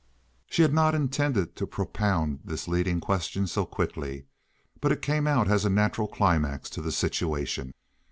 She had not intended to propound this leading question so quickly, but it came out as a natural climax to the situation.